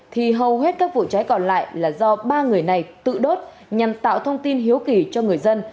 thì hầu hết các vụ cháy còn lại là do ba người này tự đốt nhằm tạo thông tin hiếu kỳ cho người dân